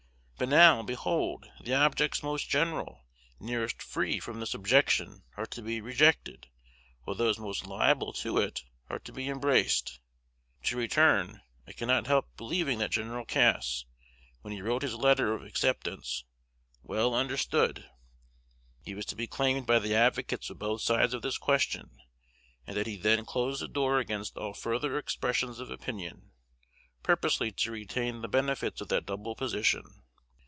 But now, behold, the objects most general, nearest free from this objection, are to be rejected, while those most liable to it are to be embraced. To return: I cannot help believing that Gen. Cass, when he wrote his letter of acceptance, well understood he was to be claimed by the advocates of both sides of this question, and that he then closed the door against all further expressions of opinion, purposely to retain the benefits of that double position.